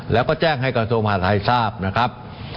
และแจ้งให้การทรวมภาษาไทยทราบ